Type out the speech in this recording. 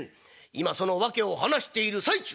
「今その訳を話している最中だ。